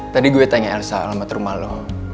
tadi gue tanya elsa alamat rumah lo